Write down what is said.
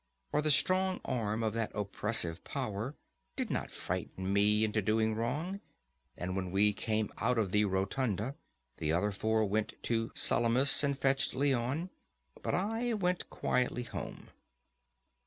For the strong arm of that oppressive power did not frighten me into doing wrong; and when we came out of the rotunda the other four went to Salamis and fetched Leon, but I went quietly home.